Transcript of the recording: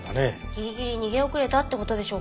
ギリギリ逃げ遅れたって事でしょうか？